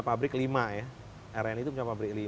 pabrik lima ya rni itu punya pabrik lima